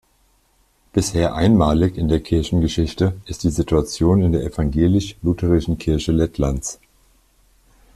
Bisher einmalig in der Kirchengeschichte ist die Situation in der Evangelisch-Lutherischen Kirche Lettlands.